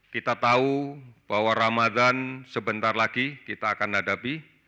kita tahu bahwa ramadan sebentar lagi kita akan hadapi